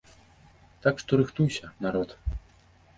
Так што рыхтуйся, народ!